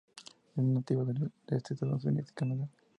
Es nativa del este de Estados Unidos y Canadá.